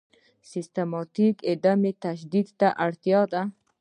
سیستماتیک عدم تشدد ته اړتیا ده.